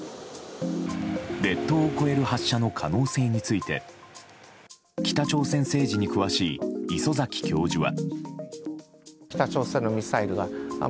列島を越える発射の可能性について北朝鮮政治に詳しい礒崎教授は。